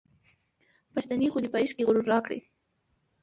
پښتنې خودۍ په عشق کي غرور راکړی